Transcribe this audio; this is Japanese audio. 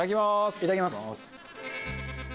いただきます。